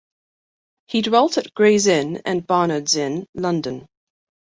He dwelt at Gray's Inn and Barnard's Inn, London.